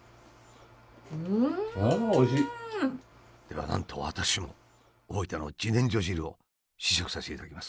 ではなんと私も大分の自然薯汁を試食させていただきます。